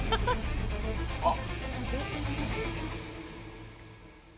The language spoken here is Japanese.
あっ！